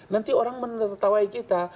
nanti orang menertawai kita